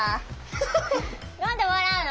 何で笑うの？